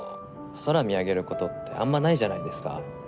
空見上げる事ってあんまりないじゃないですか。